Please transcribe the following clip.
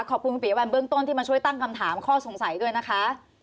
ขอบคุณคุณปียวัลเบื้องต้นที่มาช่วยตั้งคำถามข้อสงสัยด้วยนะคะ